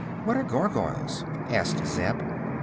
"What are Gargoyles?" asked Zeb.